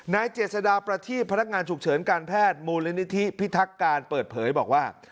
เจษฎาประทีบพนักงานฉุกเฉินการแพทย์มูลนิธิพิทักการเปิดเผยบอกว่า